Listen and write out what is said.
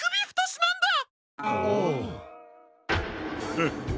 フッ。